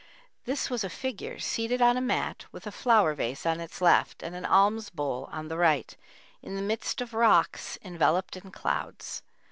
This was a figure, seated on a mat, with a flower vase on its left and an alms bowl on the right, in the midst of rocks enveloped in clouds.